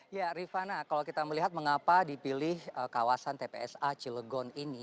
ya rifana kalau kita melihat mengapa dipilih kawasan tpsa cilegon ini